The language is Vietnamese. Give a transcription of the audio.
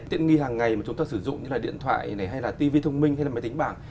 tiện nghi hàng ngày mà chúng ta sử dụng như là điện thoại này hay là tv thông minh hay là máy tính bảng